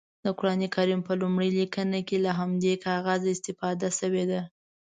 د قرانکریم په لومړنۍ لیکنه کې له همدې کاغذه استفاده شوې ده.